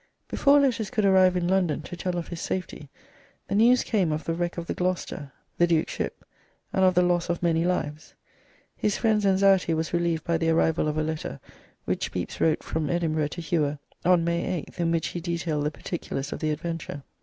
Before letters could arrive in London to tell of his safety, the news came of the wreck of the "Gloucester" (the Duke's ship), and of the loss of many lives. His friends' anxiety was relieved by the arrival of a letter which Pepys wrote from Edinburgh to Hewer on May 8th, in which he detailed the particulars of the adventure.